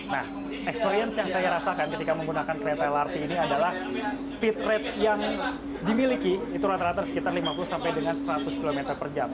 nah experience yang saya rasakan ketika menggunakan kereta lrt ini adalah speed rate yang dimiliki itu rata rata sekitar lima puluh sampai dengan seratus km per jam